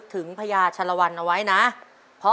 เคยเห็นรูปปั้นจรเข้นี้ใหญ่มากเลยครับ